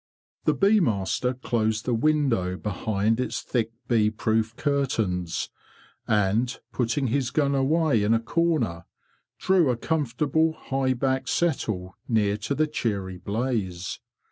The bee master closed the window behind its thick bee proof curtains, and, putting his gun away in a corner, drew a comfortable high backed settle near to the cheery blaze.